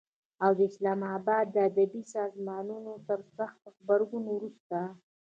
او د اسلام آباد ادبي سازمانونو تر سخت غبرګون وروسته